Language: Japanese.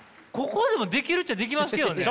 ここでもできるっちゃできますけどね！